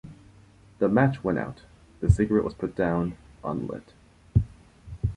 The match went out, the cigarette was put down unlit.